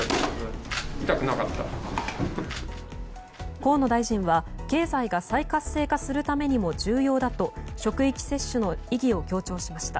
河野大臣は経済が再活性化するためにも重要だと職域接種の意義を強調しました。